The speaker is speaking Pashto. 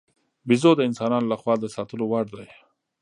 بیزو د انسانانو له خوا د ساتلو وړ دی.